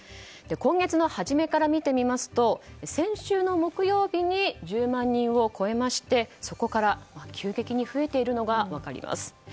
今月の初めから見てみますと先週の木曜日に１０万人を超えましてそこから急激に増えているのが分かります。